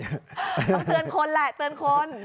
ต้องเตือนคนแหละเตือนคน